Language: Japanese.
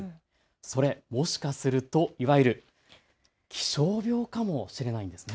それ、もしかすると、いわゆる気象病かもしれないんです。